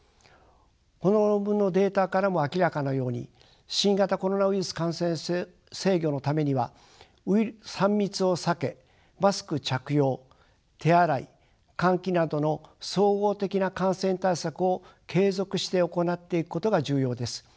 この論文のデータからも明らかのように新型コロナウイルス感染症制御のためには３密を避けマスク着用手洗い換気などの総合的な感染対策を継続して行っていくことが重要です。